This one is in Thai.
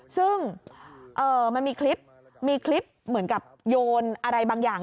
ซึ่งมันมีคลิปมีคลิปเหมือนกับโยนอะไรบางอย่าง